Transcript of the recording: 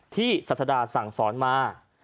ที่ศัษฎาสั่งสอนมา